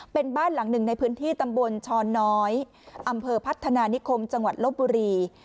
เป็นบ้านหลังหนึ่งในพื้นที่ตำบลช้อนน้อยอำเภอพัฒนานิคมจังหวัดลบบุรี